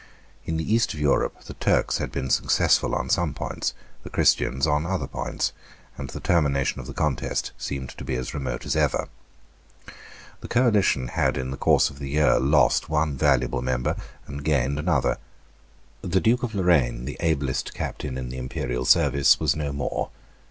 In the cast of Europe the Turks had been successful on some points, the Christians on other points; and the termination of the contest seemed to be as remote as ever. The coalition had in the course of the year lost one valuable member and gained another. The Duke of Lorraine, the ablest captain in the Imperial service, was no more.